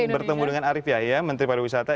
bertemu dengan arief yahya menteri pariwisata